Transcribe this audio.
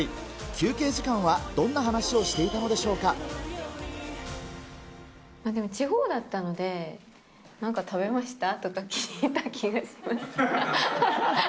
休憩時間はどんな話をしていたのでも地方だったので、なんか食べました？とか聞いた気がします。